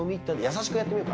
優しくやってみようか。